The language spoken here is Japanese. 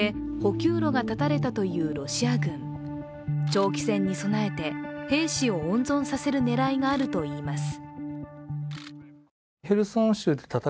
長期戦に備えて、兵士を温存させる狙いがあるといいます。